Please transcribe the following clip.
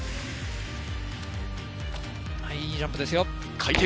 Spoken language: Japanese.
いいジャンプですよ。